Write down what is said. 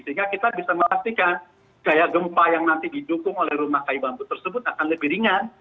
sehingga kita bisa memastikan gaya gempa yang nanti didukung oleh rumah kayu bambu tersebut akan lebih ringan